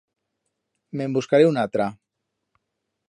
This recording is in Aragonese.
Me'n buscaré una atra.